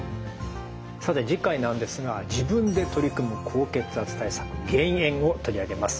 さて次回なんですが自分で取り組む高血圧対策減塩を取り上げます。